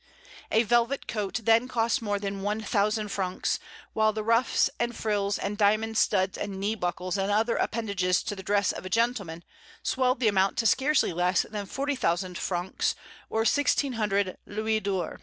A velvet coat then cost more than one thousand francs; while the ruffs and frills, and diamond studs and knee buckles, and other appendages to the dress of a gentleman, swelled the amount to scarcely less than forty thousand francs, or sixteen hundred louis d'or.